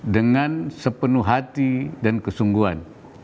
dengan sepenuh hati dan kesungguhan